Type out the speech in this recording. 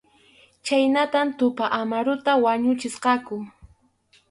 Chhaynatam Tupa Amaruta wañuchisqaku.